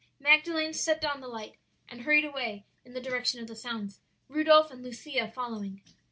"Magdalen set down the light and hurried away in the direction of the sounds, Rudolph and Lucia following.